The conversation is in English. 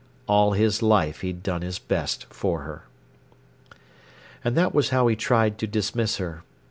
All his life he'd done his best for her. And that was how he tried to dismiss her.